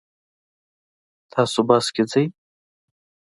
تاسو بس کې ځئ؟